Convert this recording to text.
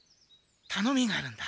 たのみがあるんだ。